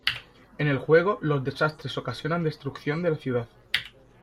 En el juego los desastres ocasionan destrucción de la ciudad.